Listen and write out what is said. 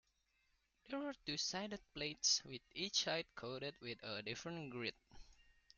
There are two-sided plates with each side coated with a different grit.